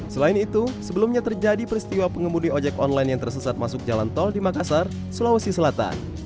selain itu sebelumnya terjadi peristiwa pengemudi ojek online yang tersesat masuk jalan tol di makassar sulawesi selatan